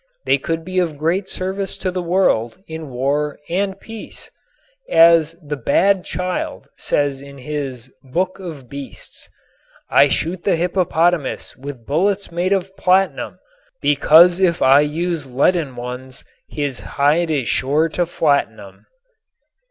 They could be of great service to the world in war and peace. As the "Bad Child" says in his "Book of Beasts": I shoot the hippopotamus with bullets made of platinum, Because if I use leaden ones, his hide is sure to flatten 'em.